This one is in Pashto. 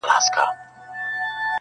د شيه اودس په تيز نه ماتېږي.